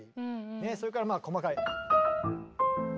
それからまあ細かい。